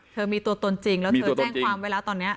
เธอมีตัวตนจริงแล้วเธอแจ้งความไว้แล้วตอนนี้